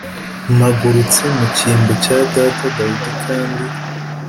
mpagurutse mu cyimbo cya data Dawidi kandi